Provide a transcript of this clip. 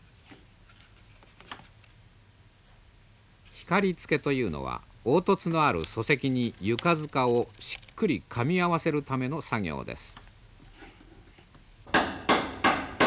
光つけというのは凹凸のある礎石に床づかをしっくりかみ合わせるための作業です。